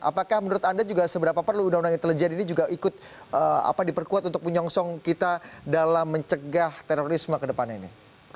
apakah menurut anda juga seberapa perlu undang undang intelijen ini juga ikut diperkuat untuk menyongsong kita dalam mencegah terorisme ke depan ini